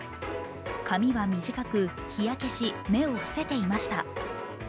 髪は短く日焼けし目を伏せていました。